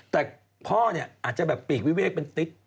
แต่พ่อเนี่ยอาจจะแบบปีกวิเวกเป็นติ๊ด